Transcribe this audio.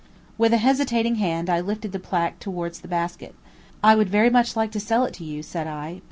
With a hesitating hand I lifted the placque towards the basket. "I would very much like to sell it to you," said I.